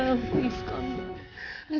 semuanya akan baik baik saja